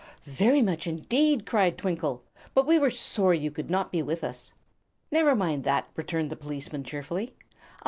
"Very much, indeed," cried Twinkle. "But we were sorry you could not be with us." "Never mind that," returned the policeman, cheerfully.